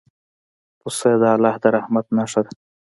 پسه د الله د رحمت نښه ده.